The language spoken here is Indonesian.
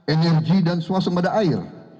energi dan suasana pada air